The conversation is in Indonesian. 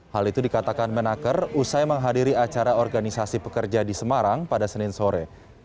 hal itu dikatakan menaker usai menghadiri acara organisasi pekerja di semarang pada senin sore